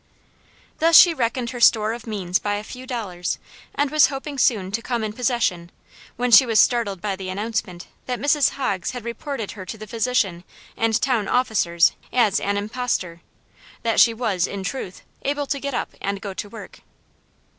Thus she reckoned her store of means by a few dollars, and was hoping soon to come in possession, when she was startled by the announcement that Mrs. Hoggs had reported her to the physician and town officers as an impostor. That she was, in truth, able to get up and go to work.